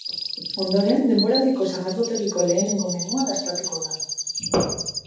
Ondoren, denboraldiko sagardotegiko lehenengo menua dastatuko da.